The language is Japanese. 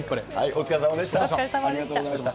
お疲れさまでした。